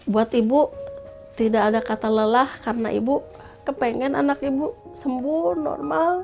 buat ibu tidak ada kata lelah karena ibu kepengen anak ibu sembuh normal